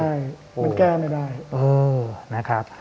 มันแก้ไม่ได้